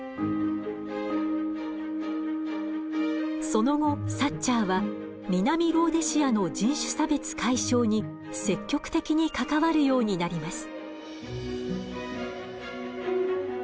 その後サッチャーは南ローデシアの人種差別解消に積極的に関わるようになります。